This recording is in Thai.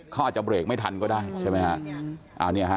เขาอาจจะเบรกไม่ทันก็ได้ใช่ไหมฮะ